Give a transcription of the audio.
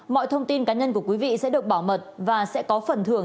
mọi thông tin cá nhân của quý vị sẽ được bảo mật và sẽ có phần thưởng